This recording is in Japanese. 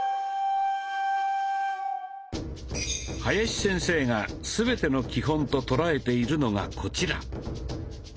林先生が全ての基本と捉えているのがこちら。